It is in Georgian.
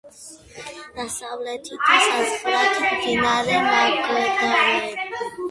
დასავლეთით საზღვრავს მდინარე მაგდალენა.